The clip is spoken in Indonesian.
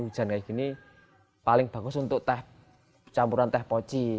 hujan kayak gini paling bagus untuk teh campuran teh poci